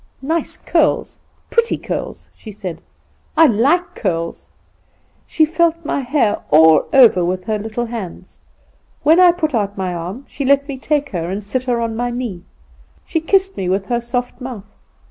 "'Nice curls, pretty curls,' she said; 'I like curls.' "She felt my hair all over, with her little hands. When I put out my arm she let me take her and sit her on my knee. She kissed me with her soft mouth.